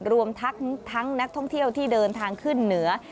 รวมทั้งนักท่องเที่ยวที่เดินทางขึ้นเหนือ